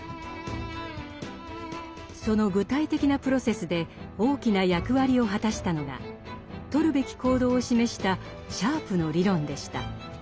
その具体的なプロセスで大きな役割を果たしたのがとるべき行動を示したシャープの理論でした。